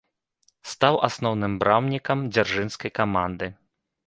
Стаў асноўным брамнікам дзяржынскай каманды.